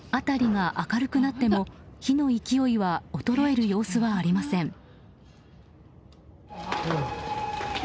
辺りが明るくなっても火の勢いは衰える様子はありません。